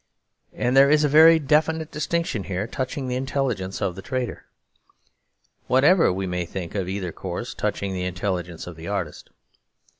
And there is a very definite distinction here touching the intelligence of the trader, whatever we may think of either course touching the intelligence of the artist.